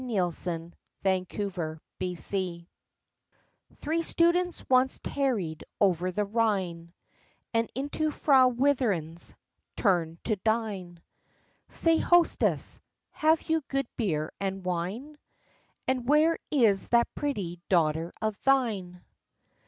FROM THE GERMAN OF UHLAND Three students once tarried over the Rhine, And into Frau Wirthin's turned to dine. "Say, hostess, have you good beer and wine? And where is that pretty daughter of thine?"